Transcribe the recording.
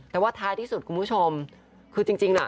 แต่ว่าท้ายที่สุดคุณผู้ชมคือจริงน่ะ